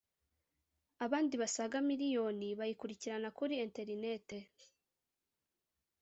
abandi basaga miliyoni bayikurikirana kuri internet.